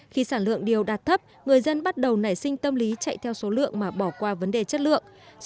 khi sản lượng điều đạt thấp người dân bắt đầu nảy sinh tâm lý chạy theo số lượng mà bỏ qua vấn đề chất lượng